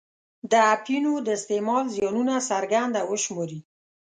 د اپینو د استعمال زیانونه څرګند او وشماري.